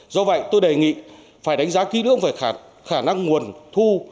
do vậy tôi đề nghị phải đánh giá kỹ lưỡng về khả năng nguồn thu